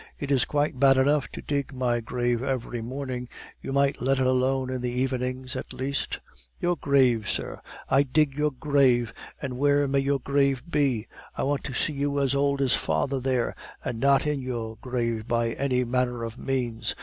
It is quite bad enough to dig my grave every morning; you might let it alone in the evenings at least " "Your grave, sir! I dig your grave! and where may your grave be? I want to see you as old as father there, and not in your grave by any manner of means.